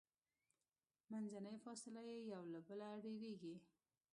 منځنۍ فاصله یې یو له بله ډیریږي.